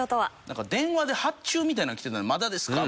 なんか電話で発注みたいなん来てた「まだですか？」